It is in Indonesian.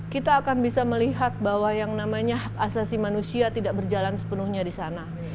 kita akan bisa melihat bahwa yang namanya hak asasi manusia tidak berjalan sepenuhnya di sana